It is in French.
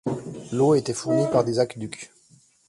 L'eau était fournie par des aqueducs.